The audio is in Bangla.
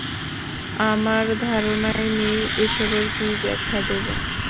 আমার ধারনাই নেই এসবের কী ব্যাখ্যা দেবো।